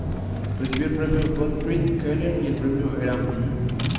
Recibió el Premio Gottfried Keller y el Premio Erasmus.